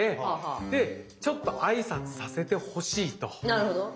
なるほど。